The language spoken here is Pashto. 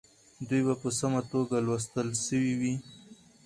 دوی به په سمه توګه لوستل سوي وي.